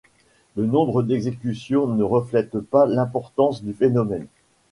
Le nombre d’exécutions ne reflète pas l’importance du phénomène.